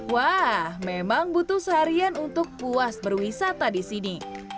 wah memang butuh seharian untuk puas berwisata di sini